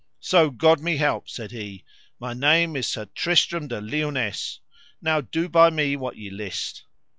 So God me help, said he, my name is Sir Tristram de Liones; now do by me what ye list.